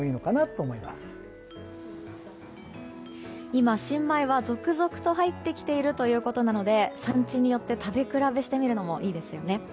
今、新米は続々と入ってきているということなので産地によって食べ比べしてみるのもいいですよね。